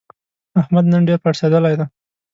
احمد نن ډېر پړسېدلی دی.